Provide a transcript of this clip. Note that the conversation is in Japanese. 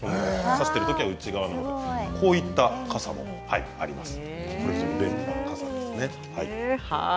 差しているときは内側になるのでこういった傘もあります。